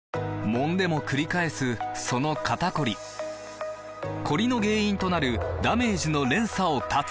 もんでもくり返すその肩こりコリの原因となるダメージの連鎖を断つ！